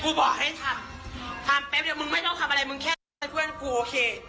บอกให้ทำทำแป๊บเดียวมึงไม่ต้องทำอะไรมึงแค่เพื่อนกูโอเค